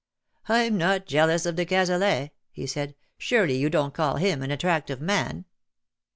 " Vm not jealous of de Cazelet/'' he said. " Sureljr you don't call him an attractive man."